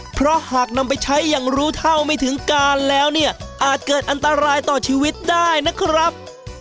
เพราะหากนำไปใช้อย่างรู้เท่าไม่ถึงการแล้วเนี่ยอาจเกิดอันตรายต่อชีวิตได้นะครับ